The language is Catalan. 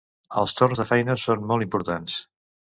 Els torns de feina són molt importants.